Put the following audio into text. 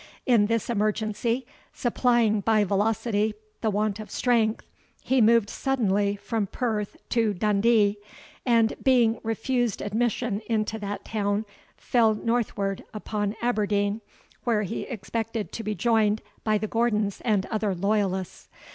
In this emergency, supplying by velocity the want of strength, he moved suddenly from Perth to Dundee, and being refused admission into that town, fell northward upon Aberdeen, where he expected to be joined by the Gordons and other loyalists.